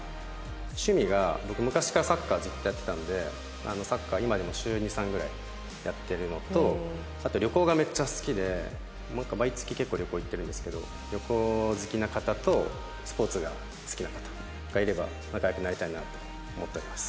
趣味が僕昔からサッカーずっとやってたのでサッカー今でも週２３ぐらいやってるのとあと旅行がめっちゃ好きで毎月結構旅行行ってるんですけど旅行好きな方とスポーツが好きな方がいれば仲良くなりたいなと思っております。